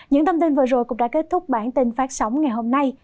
những thông tin vừa rồi cũng đã kết thúc bản tin phát sóng ngày hôm nay